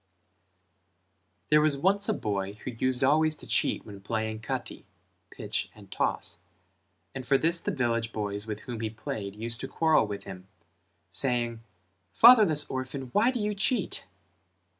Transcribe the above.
There was once a boy who used always to cheat when playing Kati (pitch and toss) and for this the village boys with whom he played used to quarrel with him, saying "Fatherless orphan, why do you cheat?"